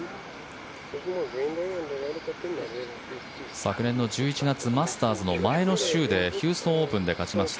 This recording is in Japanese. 昨年の１１月マスターズの前の週でヒューストンオープンで勝ちました